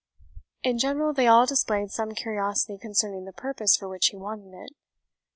In general they all displayed some curiosity concerning the purpose for which he wanted it.